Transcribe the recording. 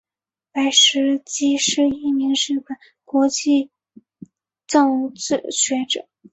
白石隆是一名日本国际政治学者。